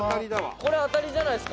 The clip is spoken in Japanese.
これ当たりじゃないですか？